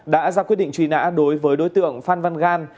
đã ra quyết định truy nã đối với đối tượng phan văn gan